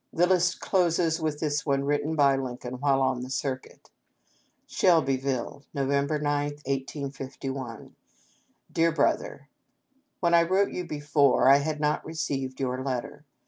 The list closes with this one written by Lincoln while on the circuit :" Shelbyville, Nov. 9, 1851. "Dear Brother :'' When I wrote you before, I had not received your letter.